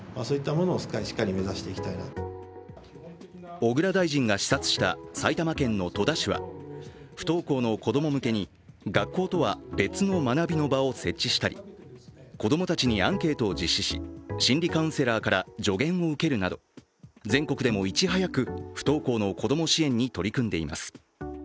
小倉大臣が視察した埼玉県の戸田市は不登校の子供向けに学校とは別の学びの場を設置したり、子供たちにアンケートを実施し心理カウンセラーから助言を受けるなど全国でもいち早く不登校の子供支援に取り組んでいます。